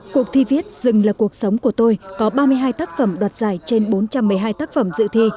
cuộc thi viết dừng là cuộc sống của tôi có ba mươi hai tác phẩm đoạt giải trên bốn trăm một mươi hai tác phẩm dự thi